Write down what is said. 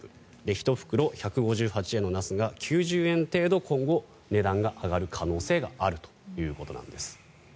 １袋１５８円のナスが９０円程度、今後値段が上がる可能性があるということです。